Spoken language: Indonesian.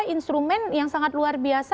instrumen yang sangat luar biasa